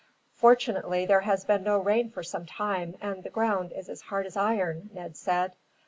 "Fortunately there has been no rain for some time, and the ground is as hard as iron," Ned said.